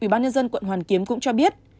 ubnd quận hoàn kiếm cũng cho biết